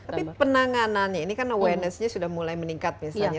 tapi penanganannya ini kan awarenessnya sudah mulai meningkat misalnya